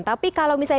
tapi kalau misalnya